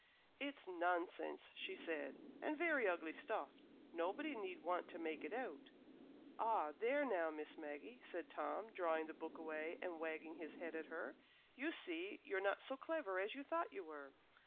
"It's nonsense!" she said, "and very ugly stuff; nobody need want to make it out." "Ah, there now, Miss Maggie!" said Tom, drawing the book away and wagging his head at her; "you see you're not so clever as you thought you were."